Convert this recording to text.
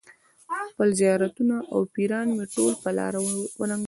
خپل زیارتونه او پیران مې ټول په لاره وننګول.